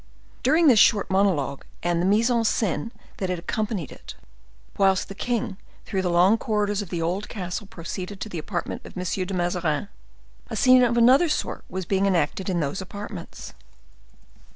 During this short monologue and the mise en scene that had accompanied it, whilst the king, through the long corridors of the old castle, proceeded to the apartment of M. de Mazarin, a scene of another sort was being enacted in those apartments.